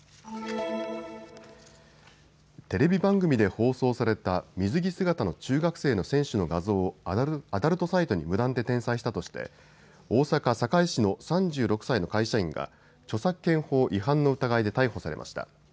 テレビ番組で放送された水着姿の中学生の選手の画像をアダルトサイトに無断で転載したとして大阪堺市の３６歳の会社員が著作権法違反の疑いで逮捕されました。